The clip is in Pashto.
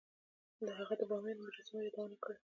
هغه د بامیان د مجسمو یادونه کړې